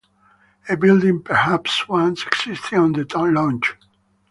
A building perhaps once existed on the loch.